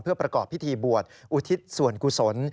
เพื่อประกอบพิธีบวชอุทิศส่วนกุศล